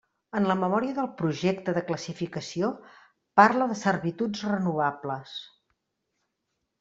En la memòria del projecte de classificació parla de servituds renovables.